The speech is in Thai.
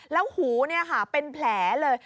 แล้วหูเป็นแผลเลย